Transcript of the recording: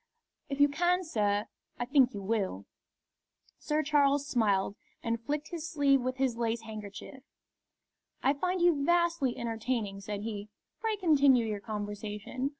"If you can, sir, I think you will." Sir Charles smiled, and flicked his sleeve with his lace handkerchief. "I find you vastly entertaining," said he. "Pray continue your conversation.